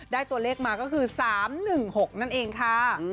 ได้ตัวเลขมาก็คือ๓๑๖นั่นเองค่ะ